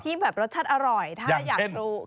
ที่แบบรสชาติอร่อยถ้าอยากรู้อย่างเช่น